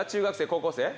高校生？